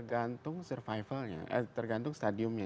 tergantung survivalnya tergantung stadiumnya